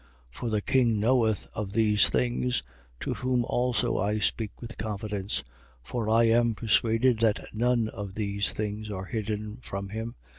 26:26. For the king knoweth of these things, to whom also I speak with confidence. For I am persuaded that none of these things are hidden from him.